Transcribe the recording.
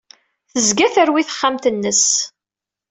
Tezga terwi texxamt-nnes.